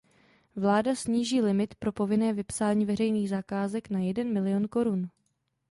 Vláda sníží limit pro povinné vypsání veřejných zakázek na jeden milion korun.